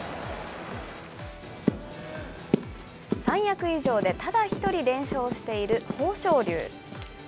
三役以上でただ１人連勝している豊昇龍。